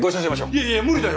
いやいや無理だよ。